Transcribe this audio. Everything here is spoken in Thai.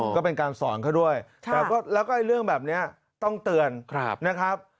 ก็เป็นการสอนเขาด้วยแต่แล้วก็เรื่องแบบนี้ต้องเตือนนะครับ